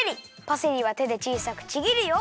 パセリはてでちいさくちぎるよ。